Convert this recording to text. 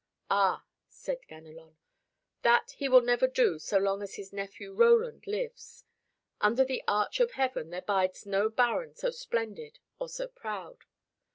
"Ah," said Ganelon, "that he will never do so long as his nephew Roland lives. Under the arch of heaven there bides no baron so splendid or so proud.